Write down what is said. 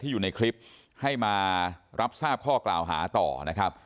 อยู่ในคลิปให้มารับทราบข้อกล่าวหาต่อนะครับ